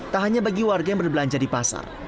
tak hanya bagi warga yang berbelanja di pasar